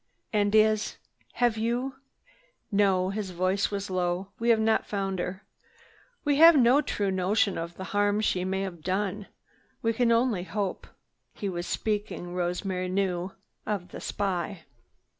"And is—have you—" "No." His voice was low. "We have not found her. We have no true notion of the harm she may have done. We can only hope." He was speaking, Rosemary knew, of the spy.